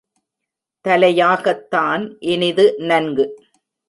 தலையாகத் தான்இனிது நன்கு